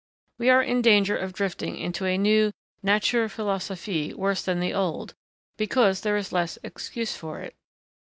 We are in danger of drifting into a new 'Natur Philosophie' worse than the old, because there is less excuse for it.